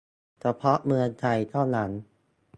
เฉพาะเมืองไทยเท่านั้น !